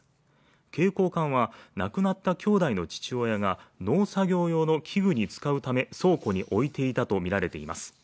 携行缶はなくなった兄弟の父親が農作業用の器具に使うため倉庫に置いていたと見られています